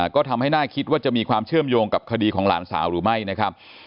ก็ทำให้น่าคิดว่าจะมีความเชื่อมโยงกับคดีของหลานสาวหรือไม่นะครับ